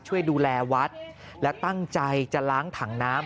ช่วยดูแลวัดและตั้งใจจะล้างถังน้ำ